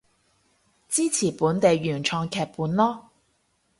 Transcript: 支持本地原創劇本囉